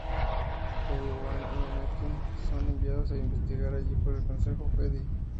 Obi-Wan y Anakin son enviados a investigar allí por el Consejo Jedi.